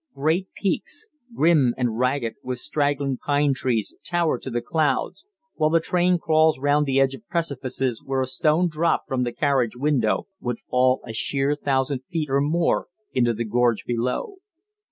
Great peaks, grim and ragged with straggling pine trees, tower to the clouds, while the train crawls round the edge of precipices where a stone dropped from the carriage window would fall a sheer thousand feet or more into the gorge below.